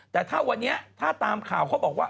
แต่ถ้าวันนี้ถ้าตามข่าวเขาบอกว่า